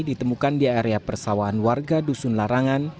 ditemukan di area persawahan warga dusun larangan